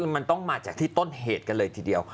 มันต้องมาจากที่ต้นเหตุกันเลยทีเดียว